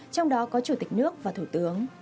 trong đó có chủ tịch nước và thủ tướng